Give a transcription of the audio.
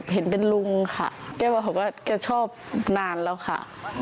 เห็นเป็นลุงค่ะแกบอกว่าแกชอบนานแล้วค่ะ